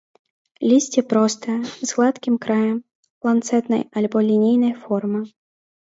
Лісце простае, з гладкім краем, ланцэтнай альбо лінейнай формы.